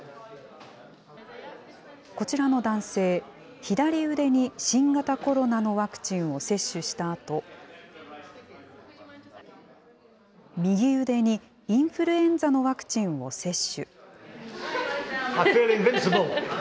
こちらの男性、左腕に新型コロナのワクチンを接種したあと、右腕にインフルエンザのワクチンを接種。